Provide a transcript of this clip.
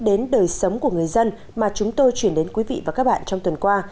đến đời sống của người dân mà chúng tôi chuyển đến quý vị và các bạn trong tuần qua